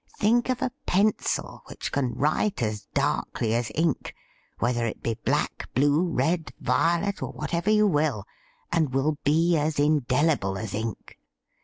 Think of a pencil which can write as darkly as ink — whether it be black, blue, red, violet, or whatever you will — and will be as indelible as ink.